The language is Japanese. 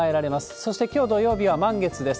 そしてきょう土曜日は満月です。